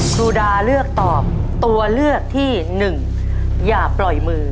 ครูดาเลือกตอบตัวเลือกที่หนึ่งอย่าปล่อยมือ